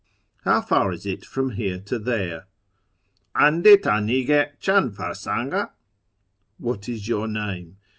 How far is it from here to there ?— And6 td nig6 chan farsang d ? What is your name